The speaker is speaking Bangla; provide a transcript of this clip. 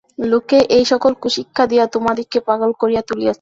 লোকে এই-সকল কুশিক্ষা দিয়া তোমাদিগকে পাগল করিয়া তুলিয়াছে।